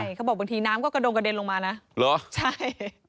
ใช่เขาบอกบางทีน้ำก็กระดงกระเด็นลงมานะเหรอใช่